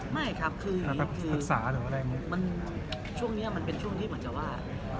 ไม่ครับคือช่วงนี้มันเป็นช่วงที่เหมือนจะว่า